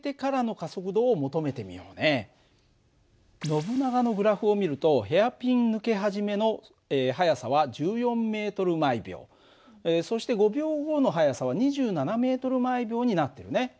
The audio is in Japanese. ノブナガのグラフを見るとヘアピン抜け始めの速さは１４ｍ／ｓ。そして５秒後の速さは２７ｍ／ｓになってるね。